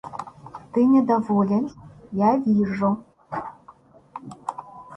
Ты недоволен, я вижу.